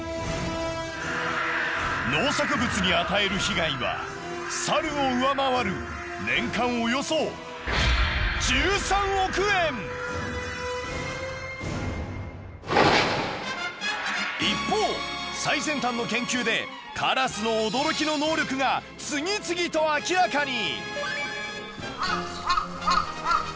農作物に与える被害は猿を上回る年間およそ一方最先端の研究でカラスの驚きの能力が次々と明らかに！